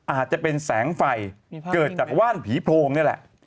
อาจจะเป็นแสงไฟเกิดจากว่านผีโพงนี่แหละ